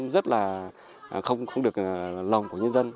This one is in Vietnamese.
rất là không được lòng của nhân dân